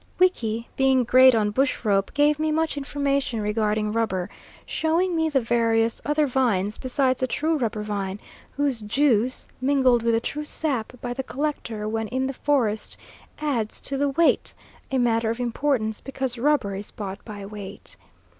Wiki, being great on bush rope, gave me much information regarding rubber, showing me the various other vines besides the true rubber vine, whose juice, mingled with the true sap by the collector when in the forest, adds to the weight; a matter of importance, because rubber is bought by weight.